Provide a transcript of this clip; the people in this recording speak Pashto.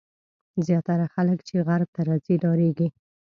زیاتره خلک چې غرب ته راځي ډارېږي.